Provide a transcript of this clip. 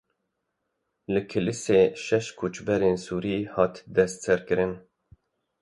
Li Kilîsê şeş koçberên Sûrî hatin destserkirin.